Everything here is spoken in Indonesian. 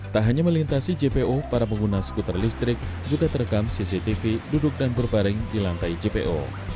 tak hanya melintasi jpo para pengguna skuter listrik juga terekam cctv duduk dan berbaring di lantai jpo